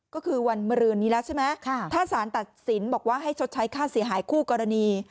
ก็คือวันมรืนนี้แล้วใช่ไหมถ้าสารตัดสินบอกว่าให้ชดใช้ค่าเสียหายคู่กรณี